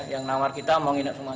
yang nawar kita mau nginep semua